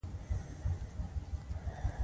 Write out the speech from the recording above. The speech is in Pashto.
اطلاعات د هغه د دوستانو او دښمنانو په اړه وو